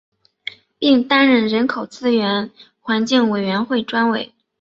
并担任人口资源环境委员会专委。